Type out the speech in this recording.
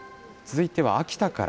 続いては秋田から。